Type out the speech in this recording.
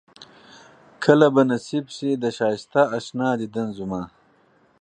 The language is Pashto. کله به نصيب شي د ښائسته اشنا ديدن زما